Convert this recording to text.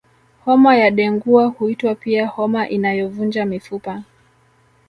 Homa ya dengua huitwa pia homa inayovunja mifupa